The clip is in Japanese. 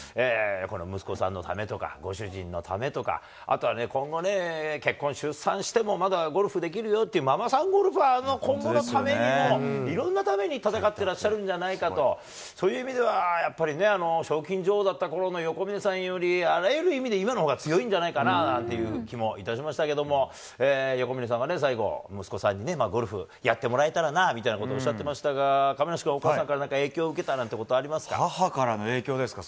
この息子さんのためとか、ご主人のためとか、あとは今後ね、結婚、出産してもまだゴルフできるよというママさんゴルファーの今後のためにも、いろんなために戦ってらっしゃるんじゃないかと、そういう意味では、やっぱり賞金女王だったころの横峯さんより、あらゆる意味で、今のほうが強いんじゃないかななんていう気もいたしましたけれども、横峯さんはね、最後、息子さんにゴルフやってもらえたらなみたいなこと、おっしゃってましたが、亀梨君はお母さんから何か影母からの影響ですか？